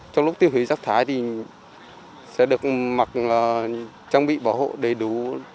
trong lúc tiêu hủy rác thải thì sẽ được mặc trang bị bảo hộ đầy đủ